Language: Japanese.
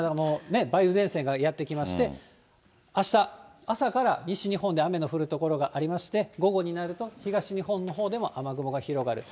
梅雨前線がやって来まして、あした朝から西日本で雨の降る所がありまして、午後になると東日本のほうでも雨雲が広がる。